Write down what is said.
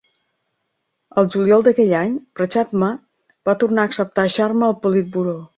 Al juliol d'aquell any, Prachandra va tornar a acceptar Sharma al politburó.